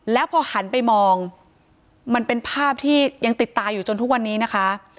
แล้วพอหันไปมองมันเป็นภาพที่ยังติดตาอยู่จนทุกวันนี้นะคะ